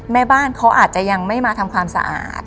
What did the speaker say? แม่บ้านเขาอาจจะยังไม่มาทำความสะอาด